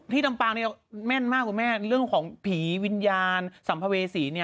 นี่ดำปลางได้แม่นมากคุณแม่นี่เรื่องของผีวินยาลสรรพาเวสี